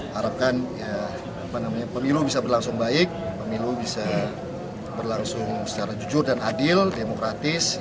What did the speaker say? harapkan pemilu bisa berlangsung baik pemilu bisa berlangsung secara jujur dan adil demokratis